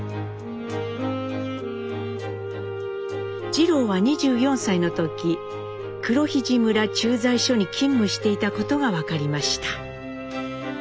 次郎は２４歳の時黒肥地村駐在所に勤務していたことが分かりました。